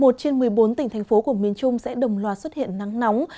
một mươi trên một mươi bốn tỉnh thành phố của miền trung sẽ đồng loạt xuất hiện nắng nóng